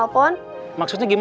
orang saham menyelidiki